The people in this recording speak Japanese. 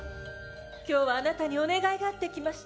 今日はあなたにお願いがあって来ました。